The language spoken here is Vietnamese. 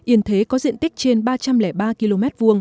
yên thế có diện tích trên ba trăm linh ba km hai